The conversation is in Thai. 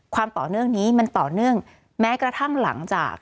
ความต่อเนื่องนี้มันต่อเนื่องแม้กระทั่งหลังจาก